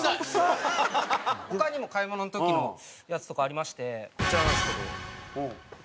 他にも買い物の時のやつとかありましてこちらなんですけど。